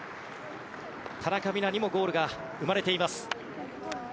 田中美南にもゴールが生まれています。